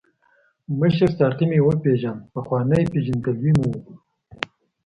مشر ساقي مې وپیژاند، پخوانۍ پېژندګلوي مو وه.